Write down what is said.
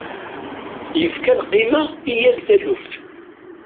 Yefka lqima i yal taluft.